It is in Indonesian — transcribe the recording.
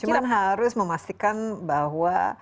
cuman harus memastikan bahwa